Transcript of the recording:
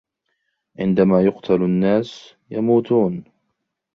عندما يُقتل الناس، يموتون.